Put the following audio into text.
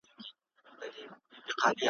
د ربابونو دور به بیا سي `